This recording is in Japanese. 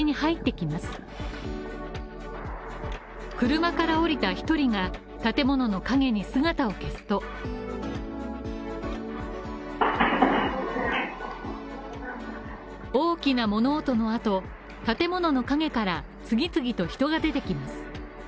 車から降りた１人が、建物の陰に姿を消すと大きな物音の後、建物の陰から次々と人が出てきます。